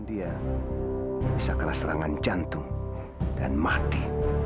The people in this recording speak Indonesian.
dia bisa kena serangan jantung dan mati